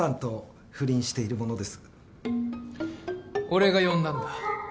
俺が呼んだんだ。